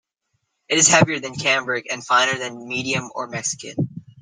It is heavier than cambric, and finer than medium or Mexican.